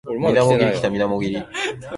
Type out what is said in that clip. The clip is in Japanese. わあああああああ